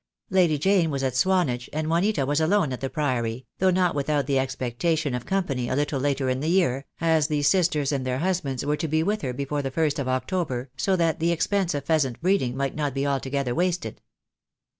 Lady Jane was at Swanage, and Juanita was alone at the Priory, though not without the expectation of com pany a little later in the year, as the sisters and their husbands were to be with her before the first of October, 100 THE DAY WILL COME. so that the expense of pheasant breeding might not be altogether wasted.